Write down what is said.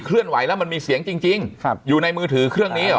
เคลื่อนไหวแล้วมันมีเสียงจริงอยู่ในมือถือเครื่องนี้